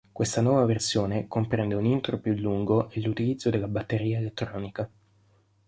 Questa nuova versione comprende un intro più lungo, e l'utilizzo della batteria elettronica.